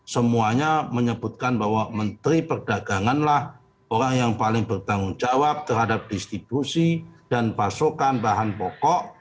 semuanya menyebutkan bahwa menteri perdagangan lah orang yang paling bertanggung jawab terhadap distribusi dan pasokan bahan pokok